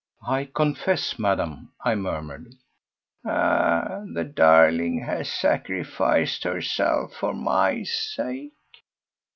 "I confess, Madame—" I murmured. "Ah! the darling has sacrificed herself for my sake.